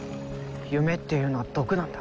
夢っていうのは毒なんだ。